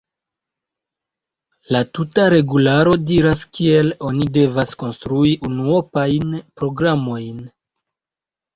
La tuta regularo diras, kiel oni devas konstrui unuopajn programojn.